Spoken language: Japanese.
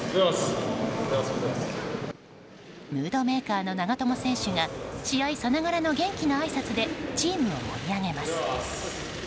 ムードメーカーの長友選手が試合さながらの元気なあいさつでチームを盛り上げます。